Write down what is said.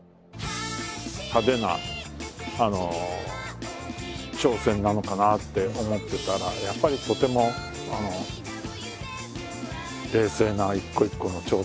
派手な挑戦なのかなって思ってたらやっぱりとても冷静な一個一個の挑戦をしてる。